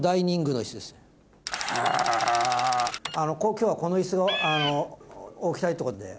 今日はこの椅子を置きたいってことで。